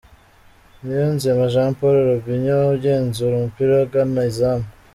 Niyonzima Jean Paul Robinho agenzura umupira agana izamu.